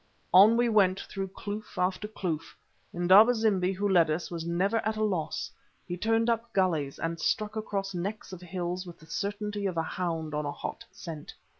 On we went through kloof after kloof. Indaba zimbi, who led us, was never at a loss, he turned up gulleys and struck across necks of hills with the certainty of a hound on a hot scent.